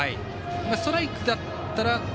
ストライクだったら？